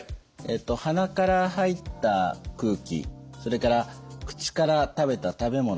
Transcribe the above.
鼻から入った空気それから口から食べた食べ物